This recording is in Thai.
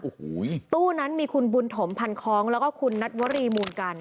โอ้โหตู้นั้นมีคุณบุญถมพันคล้องแล้วก็คุณนัทวรีมูลกัน